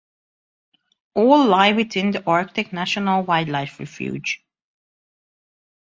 All lie within the Arctic National Wildlife Refuge.